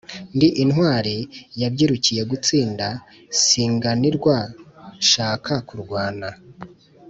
Ndi intwali yabyirukiye gutsinda, nsinganirwa nshaka kurwana